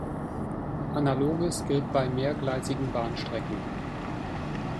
Analoges gilt bei mehrgleisigen Bahnstrecken.